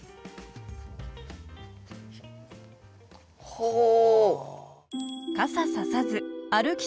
ほう。